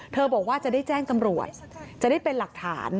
บอกว่าจะได้แจ้งตำรวจจะได้เป็นหลักฐาน